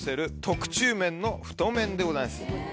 特注麺の太麺でございます。